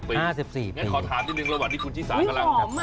๕๔ปีอย่างนั้นขอถามนิดนึงระหว่างที่คุณชิสารกำลังดื่มอุ๊ยหอมอ่ะ